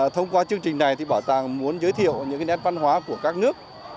thông qua chương trình này thì bảo tàng muốn giới thiệu những nét văn hóa của các nước